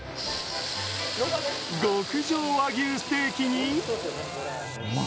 極上和牛ステーキに。